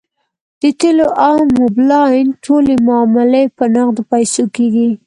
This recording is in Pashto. د تیلو او موبلاین ټولې معاملې په نغدو پیسو کیږي